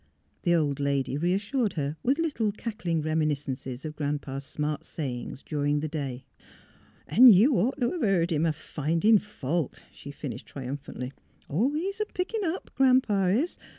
The old lady reassured her with little cackling reminis cences of Grandpa's smart sayings during the day. '' An' you'd ought t' 'a' heerd him a findin' fault," she finished, triumphantly. " Oh, he's pickin' up. Gran 'pa is.